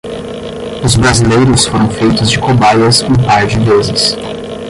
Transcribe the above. Os brasileiros foram feitos de cobaias um par de vezes